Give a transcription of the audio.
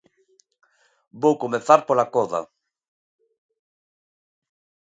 Vou comezar pola "Coda".